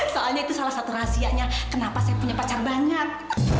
soalnya itu salah satu rahasianya kenapa saya punya pacar banget